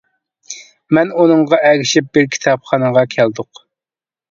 مەن ئۇنىڭغا ئەگىشىپ بىر كىتابخانىغا كەلدۇق.